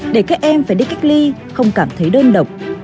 để các em phải đi cách ly không cảm thấy đơn độc